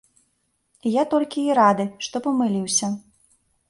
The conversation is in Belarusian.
І я толькі рады, што памыліўся.